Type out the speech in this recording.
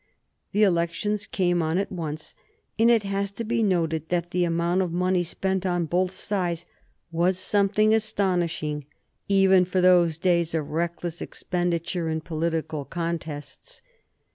The elections came on at once, and it has to be noted that the amount of money spent on both sides was something astonishing even for those days of reckless expenditure in political contests.